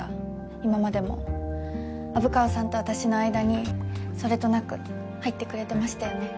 今までも虻川さんと私の間にそれとなく入ってくれてましたよね。